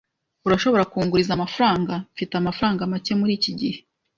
Urashobora kunguriza amafaranga? Mfite amafaranga make muri iki gihe.